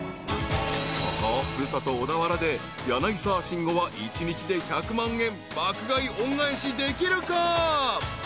［ここ古里小田原で柳沢慎吾は一日で１００万円爆買い恩返しできるか？］